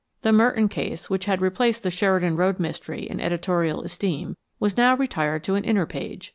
The Merton case, which had replaced the Sheridan Road mystery in editorial esteem, was now retired to an inner page.